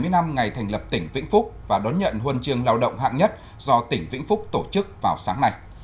bảy mươi năm ngày thành lập tỉnh vĩnh phúc và đón nhận huân trường lao động hạng nhất do tỉnh vĩnh phúc tổ chức vào sáng nay